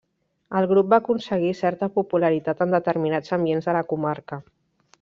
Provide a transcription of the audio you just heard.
El grup va aconseguir certa popularitat en determinats ambients de la comarca.